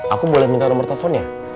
aku boleh minta nomor teleponnya